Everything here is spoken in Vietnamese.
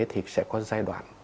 thì sẽ có giai đoạn